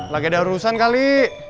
lagi ada urusan kali